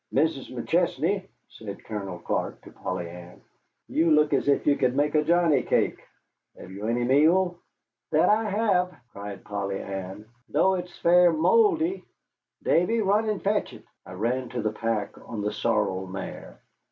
"Mrs. McChesney," said Colonel Clark to Polly Ann, "you look as if you could make johnny cake. Have you any meal?" "That I have," cried Polly Ann, "though it's fair mouldy. Davy, run and fetch it." I ran to the pack on the sorrel mare.